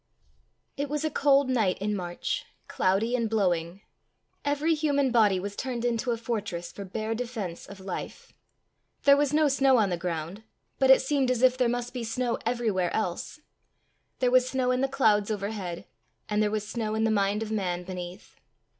It was a cold night in March, cloudy and blowing. Every human body was turned into a fortress for bare defence of life. There was no snow on the ground, but it seemed as if there must be snow everywhere else. There was snow in the clouds overhead, and there was snow in the mind of man beneath.